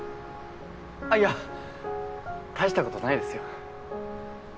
あいや大したことないですよ。